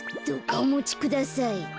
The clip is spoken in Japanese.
どうかおもちください。